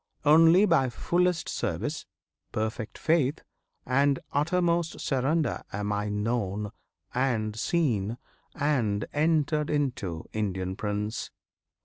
Only by fullest service, perfect faith, And uttermost surrender am I known And seen, and entered into, Indian Prince!